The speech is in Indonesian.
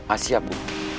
ah siap bu